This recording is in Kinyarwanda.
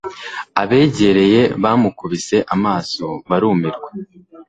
Abegereye bamukubise amaso barumirwa